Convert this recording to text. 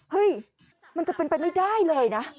เฮ้ยมันจะเป็นไปไม่ได้เลยนะ